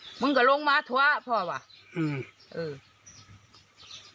อืมมึงก็ลงมาถุวะพ่อว่ะอืมอืม